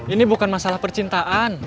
ini bukan masalah percintaan